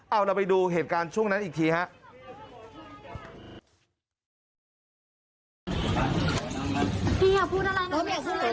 เอาเราไปดูเหตุการณ์ช่วงนั้นอีกทีครับ